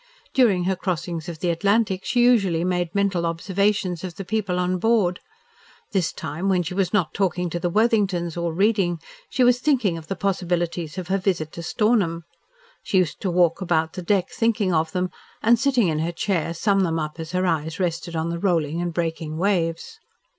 During her crossings of the Atlantic she usually made mental observation of the people on board. This time, when she was not talking to the Worthingtons, or reading, she was thinking of the possibilities of her visit to Stornham. She used to walk about the deck thinking of them and, sitting in her chair, sum them up as her eyes rested on the rolling and breaking waves.